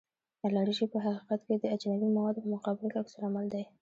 الرژي په حقیقت کې د اجنبي موادو په مقابل کې عکس العمل دی.